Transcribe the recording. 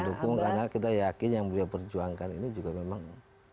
mendukung karena kita yakin yang beliau perjuangkan ini juga memang